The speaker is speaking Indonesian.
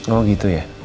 oh gitu ya